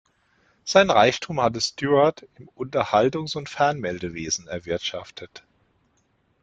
Seinen Reichtum hatte Stewart im Unterhaltungs- und Fernmeldewesen erwirtschaftet.